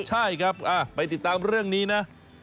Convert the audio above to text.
ใช่ครับไปติดตามเรื่องนี้นะ